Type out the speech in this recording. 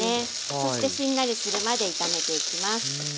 そしてしんなりするまで炒めていきます。